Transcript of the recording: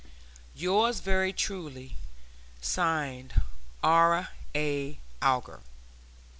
Yours very truly, (Signed) R. A. ALGER.